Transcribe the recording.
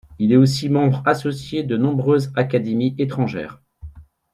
Il est aussi membre associé de nombreuses académies étrangères.